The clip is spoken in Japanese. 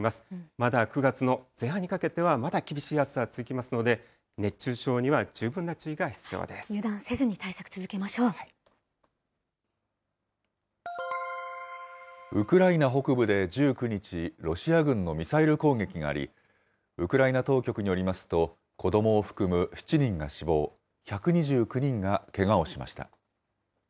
まだ９月の前半にかけては、まだ厳しい暑さが続きますので、油断せずに、対策続けましょウクライナ北部で１９日、ロシア軍のミサイル攻撃があり、ウクライナ当局によりますと、子どもを含む７人が死亡、１２９人がけがをしました。